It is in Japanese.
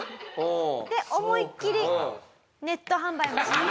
で思いっきりネット販売もしました。